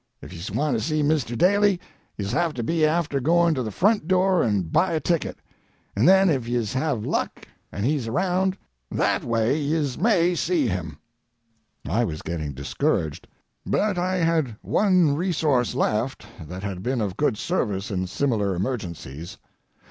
If yez want to see Mr. Daly, yez 'll have to be after going to the front door and buy a ticket, and then if yez have luck and he's around that way yez may see him." I was getting discouraged, but I had one resource left that had been of good service in similar emergencies.